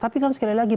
tapi kan sekali lagi